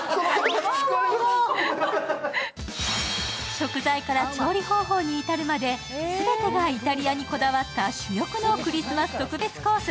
食材から調理方法に至るまで全てがイタリアにこだわった珠玉のクリスマス特別コース。